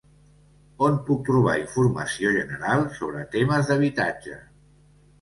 On puc trobar informació general sobre temes d'habitatge?